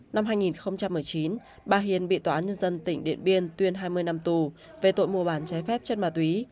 năm hai nghìn một mươi chín bà hiền bị tòa án nhân dân tỉnh điện biên tuyên hai mươi năm tù về tội mua bán trái phép chất ma túy